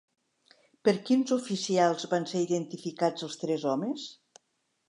Per quins oficials van ser identificats els tres homes?